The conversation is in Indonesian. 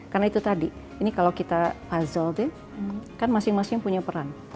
karena itu tadi ini kalau kita puzzle deh kan masing masing punya peran